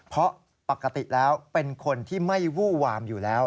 เพราะปกติแล้วเป็นคนที่ไม่วู้วามอยู่แล้ว